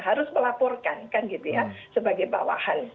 harus melaporkan kan gitu ya sebagai bawahan